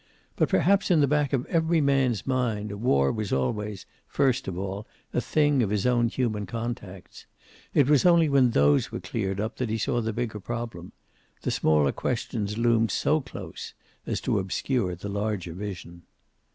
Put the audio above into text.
But perhaps in the back of every man's mind war was always, first of all, a thing of his own human contacts. It was only when those were cleared up that he saw the bigger problem. The smaller questions loomed so close as to obscure the larger vision.